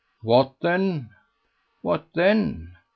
"What then?" "What then!